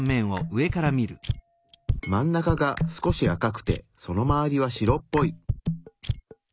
真ん中が少し赤くてその周りは白っぽい。